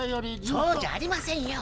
そうじゃありませんよ。